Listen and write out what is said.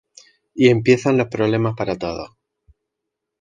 Y empiezan los problemas para todos.